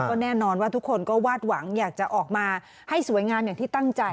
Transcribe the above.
ก็แน่นอนว่าทุกคนก็วาดหวังอยากจะออกมาให้สวยงามอย่างที่ตั้งใจ